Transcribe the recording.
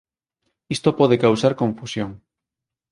Isto pode causar confusión.